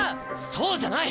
そうじゃない！